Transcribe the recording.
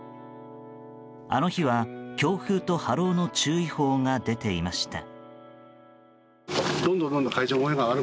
あの日は強風と波浪の注意報が出ていました。